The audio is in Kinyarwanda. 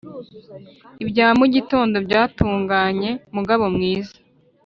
ibya mugitondo byatunganye mugabo mwiza”